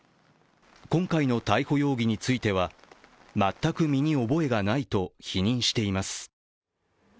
今回の逮捕容疑については全く身に覚えがないと否認しています。